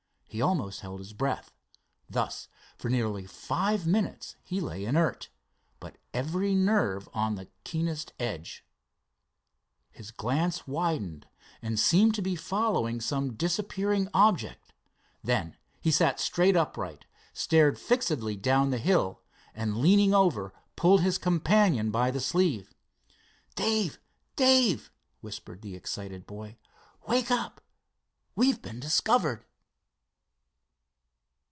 He almost held his breath. Thus for nearly five minutes he lay inert, but every nerve on the keenest edge. His glance widened and seemed to be following some disappearing object. Then he sat straight upright, stared fixedly down the hill, and leaning over pulled his companion by the sleeve. "Dave! Dave!" whispered the excited boy "wake up! We've been discovered!"